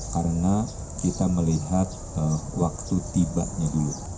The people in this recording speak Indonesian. karena kita melihat waktu tibanya dulu